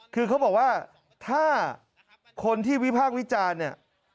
คือเขาบอกว่าถ้าคนที่วิพากษ์วิจารณ์เนี่ย